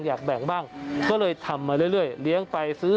แล้วก็แบ่งสายแบ่งไปเรื่อยนะครับผม